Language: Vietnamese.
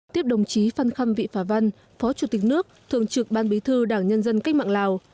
tiếp đồng chí phan khâm vị phà văn phó chủ tịch nước thường trực ban bí thư đảng nhân dân cách mạng lào